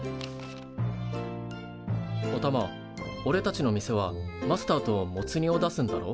おたまおれたちの店はマスターとモツ煮を出すんだろ？